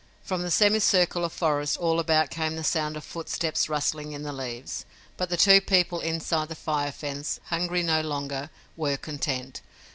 From the semicircle of forest all about came the sound of footsteps rustling in the leaves. But the two people inside the fire fence, hungry no longer, were content.